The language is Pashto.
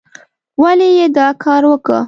ولې یې دا کار وکه؟